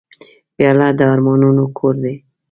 پیاله د ارمانونو کور دی.